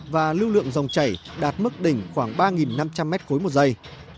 và lưu lượng dòng chảy đạt mức đỉnh khoảng ba năm trăm linh m ba một giây